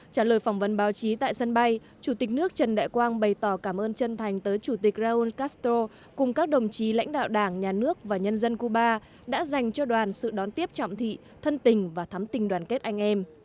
trả lời phỏng vấn báo chí tại sân bay chủ tịch nước trần đại quang bày tỏ cảm ơn chân thành tới chủ tịch raúl castro cùng các đồng chí lãnh đạo đảng nhà nước và nhân dân cuba đã dành cho đoàn sự đón tiếp trọng thị thân tình và thắm tình đoàn kết anh em